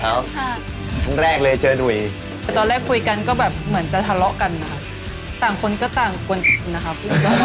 ครั้งแรกเลยเจอหนุ่ยแต่ตอนแรกคุยกันก็แบบเหมือนจะทะเลาะกันนะคะต่างคนก็ต่างกวนนะครับ